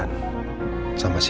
tunggu aku mau cari